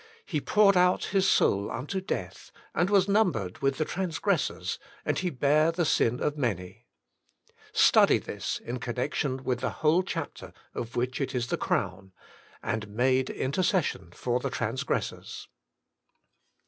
"He poured out His soul unto death, and was numbered with the i6i 1 62 The Inner Chamber transgressors, and He bare the sins of many," — study this in connection with the whole chapter of which it is the crown —'^ and made intercession for the transgressors."